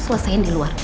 selesaikan di luar